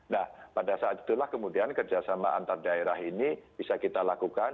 nah pada saat itulah kemudian kerjasama antar daerah ini bisa kita lakukan